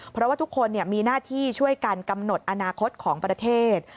เพราะว่าทุกคนมีหน้าที่ช่วยกันกำหนดอนาคตของประเทศ